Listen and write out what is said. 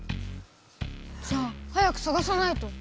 じゃあ早くさがさないと。